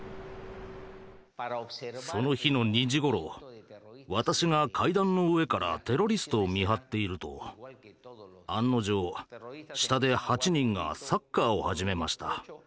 その日の２時ごろ私が階段の上からテロリストを見張っていると案の定下で８人がサッカーを始めました。